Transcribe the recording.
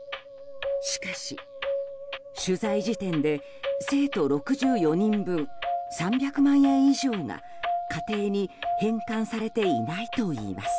しかし、取材時点で生徒６４人分３００万円以上が家庭に返還されていないといいます。